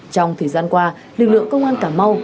trong thời gian qua lực lượng công an cà mau